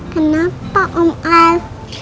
kenapa om al